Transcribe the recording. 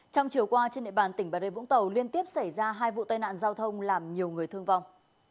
trong chiều qua trên địa bàn tỉnh bà rê vũng tàu liên tiếp xảy ra hai vụ tai nạn giao thông làm nhiều người thương vong